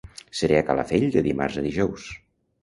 Seré a Calafell de dimarts a dijous.